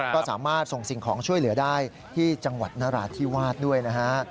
ก็สามารถส่งสิ่งของช่วยเหลือได้ที่จังหวัดนราธิวาสด้วยนะฮะ